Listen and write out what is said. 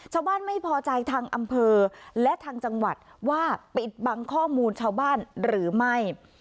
ชาวบ้านไม่พอใจทางอำเภอและทางจังหวัดว่าปิดบังข้อมูลชาวบ้านหรือไม่